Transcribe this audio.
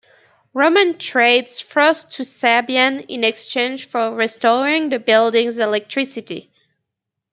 Roman trades Frost to Sabian in exchange for restoring the building's electricity.